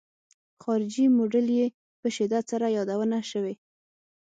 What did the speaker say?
خارجي موډل یې په شدت سره یادونه شوې.